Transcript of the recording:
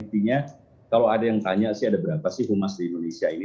intinya kalau ada yang tanya sih ada berapa sih humas di indonesia ini